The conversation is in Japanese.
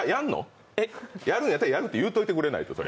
やるんならやるって言うといてくれないと。